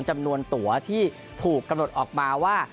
จำนวนตัวที่ถูกกำหนดออกมาว่า